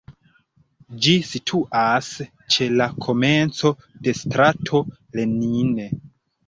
Ĝi situas ĉe la komenco de strato Lenin.